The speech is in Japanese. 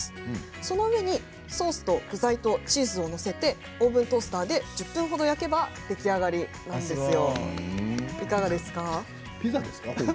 その上にソースと具材とチーズを載せてオーブントースターで１０分ほど焼けば出来上がりなんですよ。